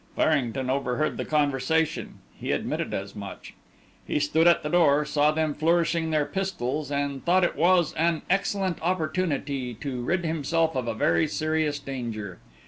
Farrington overheard the conversation; he admitted as much. "He stood at the door, saw them flourishing their pistols and thought it was an excellent opportunity to rid himself of a very serious danger.